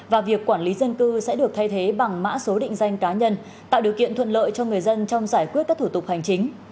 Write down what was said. và việc quản lý dân cư sẽ được thay thế bằng mã số định danh cá nhân tạo điều kiện thuận lợi cho người dân trong giải quyết các thủ tục hành chính